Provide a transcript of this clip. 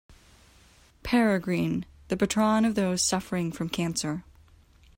Peregrine, the patron of those suffering from cancer.